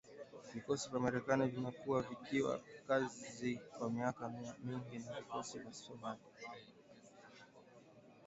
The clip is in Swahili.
Vikosi vya Marekani vimekuwa vikifanya kazi kwa miaka mingi na vikosi vya Somalia